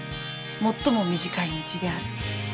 最も短い道である